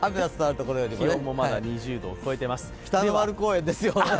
気温もまだ２０度を超えています。